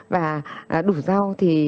và đủ rau thì